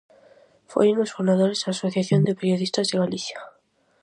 Foi un dos fundadores da Asociación de Periodistas de Galicia.